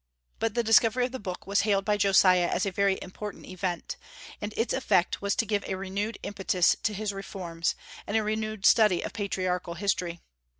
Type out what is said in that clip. But the discovery of the book was hailed by Josiah as a very important event; and its effect was to give a renewed impetus to his reforms, and a renewed study of patriarchal history.